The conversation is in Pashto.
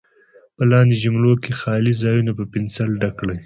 په لاندې جملو کې خالي ځایونه په پنسل ډک کړئ.